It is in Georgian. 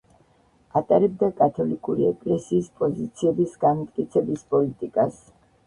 ატარებდა კათოლიკური ეკლესიის პოზიციების განმტკიცების პოლიტიკას.